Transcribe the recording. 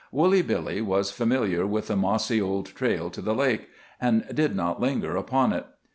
Woolly Billy was familiar with the mossy old trail to the lake, and did not linger upon it.